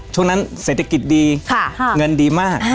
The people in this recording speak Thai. ช่วงนั้นเศรษฐกิจดีเงินดีมาก